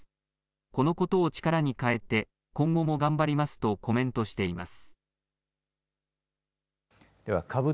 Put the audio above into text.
このことを力に変えて、今後も頑張りますとコメントしています。